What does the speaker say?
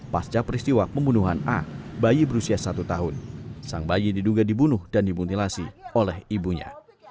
pasca peristiwa pembunuhan a bayi berusia satu tahun sang bayi diduga dibunuh dan dimunilasi oleh ibunya